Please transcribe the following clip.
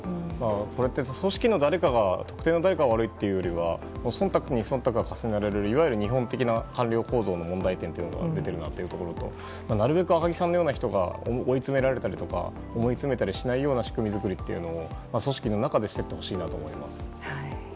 こうやって組織の誰か特定の誰かが悪いというよりは忖度に忖度を重ねられるいわゆる日本的官僚構造な問題点が出ているなというところとなるべく赤木さんのような方が追い詰められたりとか思いつめたりしないような仕組み作りを組織の中でしていってほしいなと思います。